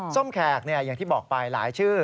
ส้มแขกอย่างที่บอกไปหลายชื่อ